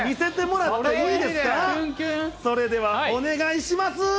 それではお願いします。